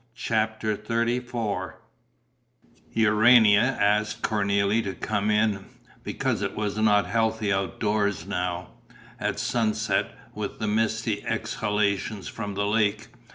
CHAPTER XXXIV Urania asked Cornélie to come in, because it was not healthy out of doors now, at sunset, with the misty exhalations from the lake.